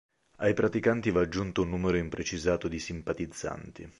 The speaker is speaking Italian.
Ai praticanti va aggiunto un numero imprecisato di simpatizzanti.